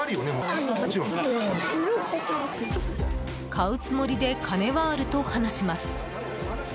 買うつもりで金はあると話します。